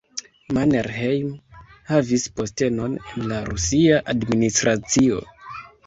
Mannerheim havis postenon en la rusia administracio.